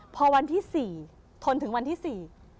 พอวันที่๔ทนถึงวันที่๔